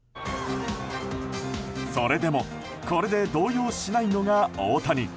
それでもこれで動揺しないのが大谷。